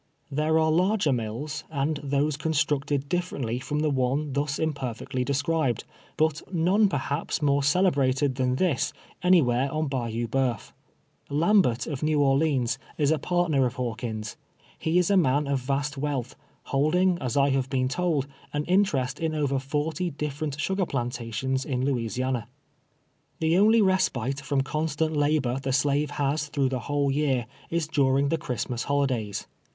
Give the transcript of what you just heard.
There are larger mills, and those constructed differ ently from the one thus imperfectly described, but none, perhaps, more celebrated than this anywhere on Bayou B(jeuf. Lambert, of ]!^ew Orleans, is a part ner of Hawkins. Tie is a uian of vast wealth, hold ing, as I have been told, an interest in over forty dif ferent sugar plantations in Louisiana. Tlie only respite from constant labor the slave has through the whole year, is during the Christmas holi days.